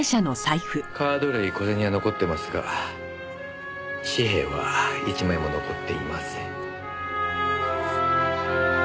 カード類小銭は残ってますが紙幣は一枚も残っていません。